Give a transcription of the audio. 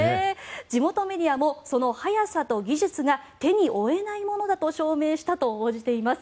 地元メディアもその速さと技術が手に負えないものだと証明したと報じています。